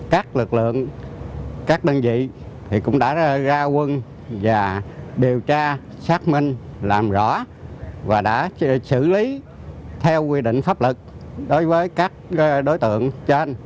các lực lượng các đơn vị cũng đã ra quân và điều tra xác minh làm rõ và đã xử lý theo quy định pháp lực đối với các đối tượng trên